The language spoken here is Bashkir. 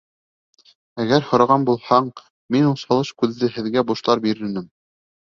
Әгәр һораған булһаң, мин ул салыш күҙҙе һеҙгә бушлай бирер инем!